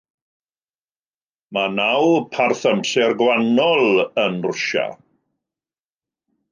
Mae naw parth amser gwahanol yn Rwsia.